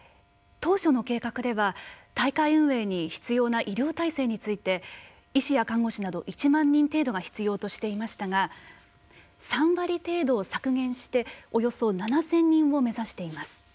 当初の計画では大会運営に必要な医療体制について医師や看護師など１万人程度が必要としていましたが３割程度を削減しておよそ７０００人を目指しています。